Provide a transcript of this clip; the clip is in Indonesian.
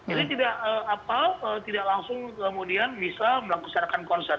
ini tidak apa apa tidak langsung kemudian bisa melaksanakan konser